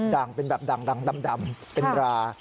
ด่างเป็นแบบด่างดำเป็นรา